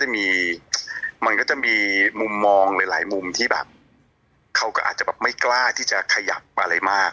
มันก็จะมีมุมมองหลายมุมที่แบบเขาก็อาจจะแบบไม่กล้าที่จะขยับอะไรมาก